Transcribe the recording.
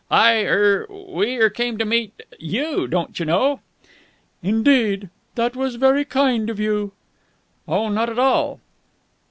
"I er we er came to meet you, don't you know!" "Indeed! That was very kind of you!" "Oh, not at all."